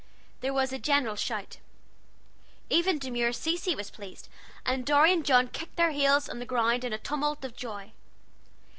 There was a general shout. Even demure Cecy was pleased, and Dorry and John kicked their heels on the ground in a tumult of joy.